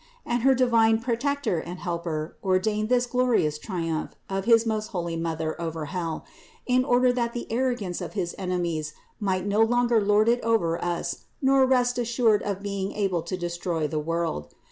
And her divine Protector and Helper ordained this glorious triumph of his most holy Mother over hell, in order that the arrogance of his enemies might no longer lord it over us nor rest assured of being able to destroy the world.